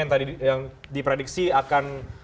yang tadi diprediksi akan